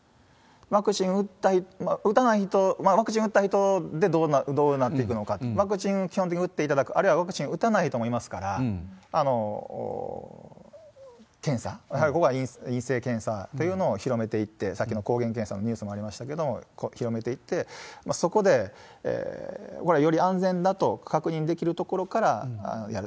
ワクチンを打たない人、ワクチン打った人でどうなっていくのか、ワクチンは基本的に打っていただく、あるいはワクチン打たない人もいますから、検査、やはりここは陰性検査というのを広めていって、さっきの抗原検査のニュースもありましたけれども、広めていって、そこでこれはより安全だと確認できるところからやる。